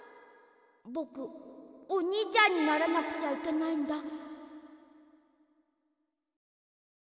ぼくおにいちゃんにならなくちゃいけないんだ。